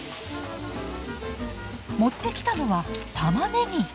持ってきたのはたまねぎ。